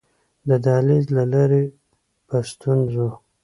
د دهلېز له لارې په ستونزو.